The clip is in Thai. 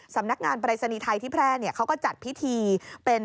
สำนักงานปรายศนีย์ไทยที่แพร่เขาก็จัดพิธีเป็น